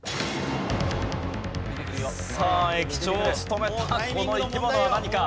さあ駅長を務めたこの生き物は何か？